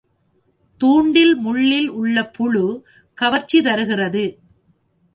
தூண்டில் முள்ளில் உள்ள புழு கவர்ச்சி தருகிறது.